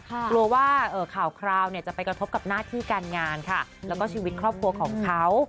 กลัวว่าข่าวคราวเนี่ยจะไปกระทบกับหน้าที่การงานค่ะแล้วก็ชีวิตครอบครัวของเขา